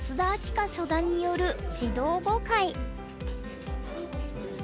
夏初段による指導碁会。